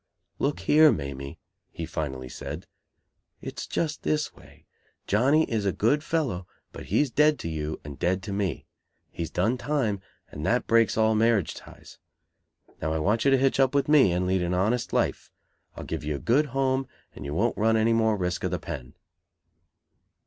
"'Look here, Mamie,' he finally said. 'It's just this way. Johnny is a good fellow, but he's dead to you and dead to me. He's done time, and that breaks all marriage ties. Now, I want you to hitch up with me, and lead an honest life. I'll give you a good home, and you won't run any more risk of the pen!'"